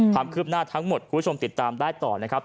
ความคืบหน้าทั้งหมดคุณผู้ชมติดตามได้ต่อนะครับ